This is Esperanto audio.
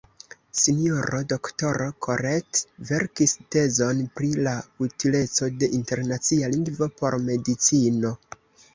S-ro Doktoro Corret verkis tezon pri la utileco de internacia lingvo por medicino.